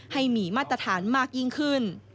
ให้มีมาตรฐานมากยิ่งขึ้น